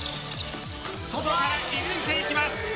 外から射抜いていきます！